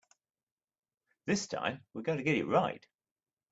This time we're going to get it right.